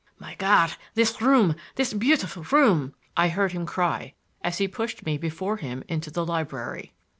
"My God, this room—this beautiful room!" I heard him cry, as he pushed me before him into the library.